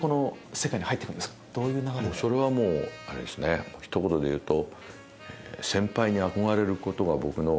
それはもうあれですねひと言で言うと。